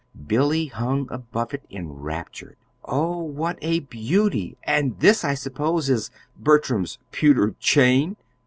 Billy hung above it enraptured. "Oh, what a beauty! And this, I suppose, is Bertram's 'pewter chain'!